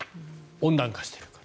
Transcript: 温暖化しているから。